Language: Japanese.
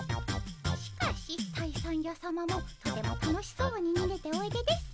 しかし退散やさまもとても楽しそうににげておいでです。